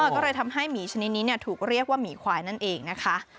ก็เลยทำให้หมีชนิดนี้ถูกเรียกว่าหมีควายนั่นเองนะคะ